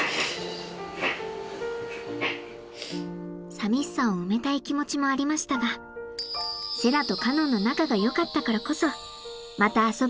寂しさを埋めたい気持ちもありましたがセラとカノンの仲がよかったからこそまた遊び相手を作ってあげたい。